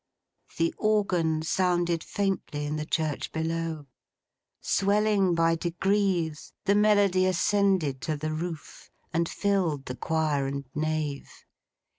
The organ sounded faintly in the church below. Swelling by degrees, the melody ascended to the roof, and filled the choir and nave.